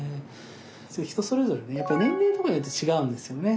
人それぞれ年齢とかによって違うんですよね。